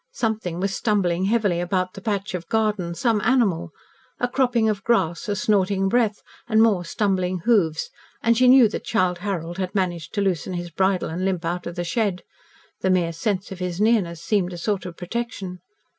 Something was stumbling heavily about the patch of garden some animal. A cropping of grass, a snorting breath, and more stumbling hoofs, and she knew that Childe Harold had managed to loosen his bridle and limp out of the shed. The mere sense of his nearness seemed a sort of protection.